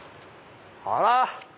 あら！